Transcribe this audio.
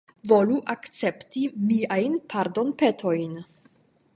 Volu akcepti miajn pardonpetojn.